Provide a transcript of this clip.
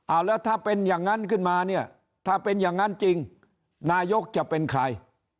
แล้วถ้าเป็นอย่างนั้นขึ้นมาเนี่ยถ้าเป็นอย่างนั้นจริงนายกจะเป็นใคร